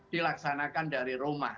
dilaksanakan dari rumah